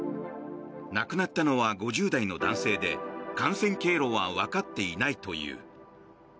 亡くなったのは５０代の男性で感染経路はわかっていないという。